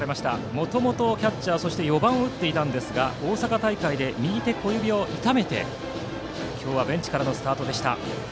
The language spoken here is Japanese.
もともとキャッチャーで４番を打っていましたが大阪大会で右手小指を痛めて今日はベンチからのスタートでした。